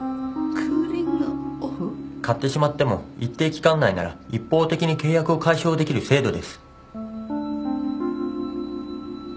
買ってしまっても一定期間内なら一方的に契約を解消できる制度です。